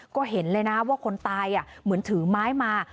ก็เห็นเลยนะว่าคนตายเหมือนถือไม้มา